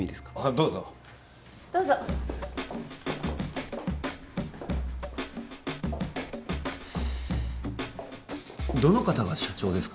どうぞどうぞどの方が社長ですか？